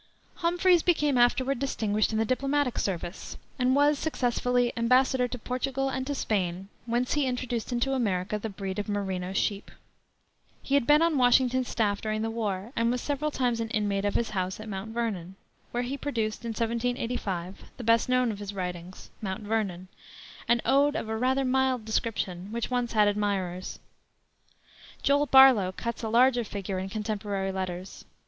Humphreys became afterward distinguished in the diplomatic service, and was, successively, embassador to Portugal and to Spain, whence he introduced into America the breed of merino sheep. He had been on Washington's staff during the war, and was several times an inmate of his house at Mount Vernon, where he produced, in 1785, the best known of his writings, Mount Vernon, an ode of a rather mild description, which once had admirers. Joel Barlow cuts a larger figure in contemporary letters.